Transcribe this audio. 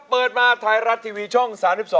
เปิดมาไทยรัฐทีวีช่อง๓๒